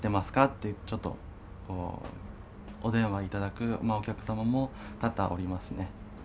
って、ちょっとお電話いただくお客様も多々おりますね。